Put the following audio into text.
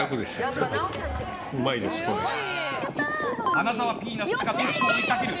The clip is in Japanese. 花澤ピーナッツがトップを追いかける。